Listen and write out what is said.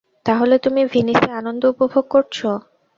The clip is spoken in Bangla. তাহলে তুমি ভিনিসে আনন্দ উপভোগ করছ।